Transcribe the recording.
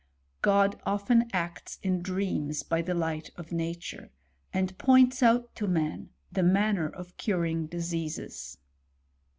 " God often acts in dreams by the light of nature, and points out to man the manner of curing diseases."